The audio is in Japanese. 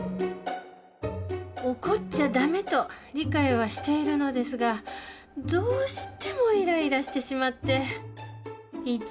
怒っちゃダメと理解はしているのですがどうしてもイライラしてしまっていつも自己嫌悪です